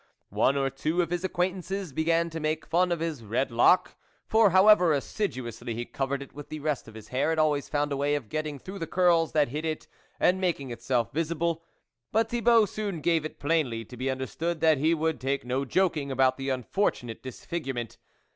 One or two of his acquaintances began to make fun of his red lock, for however assidu ously he covered it with the rest of his hair, it always found a way of getting through the curls that hid it, and making itself visible. But Thibault soon gave it plainly to be understood that he would take no joking about the unfortunate dis figurement.